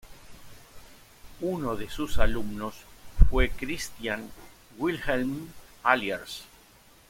Uno de sus alumnos fue Christian Wilhelm Allers.